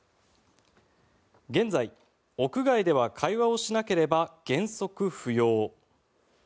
現在、屋外では会話をしなければ原則不要。